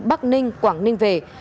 bắc ninh quảng ninh về